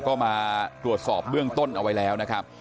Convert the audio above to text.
ก็มาตรวจสอบเบื้องต้นเอาไว้แล้วนะครับ